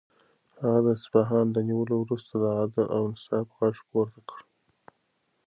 هغه د اصفهان له نیولو وروسته د عدل او انصاف غږ پورته کړ.